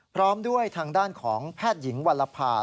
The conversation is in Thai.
พร้อมด้วยทางด้านของแพทย์หญิงวัลภา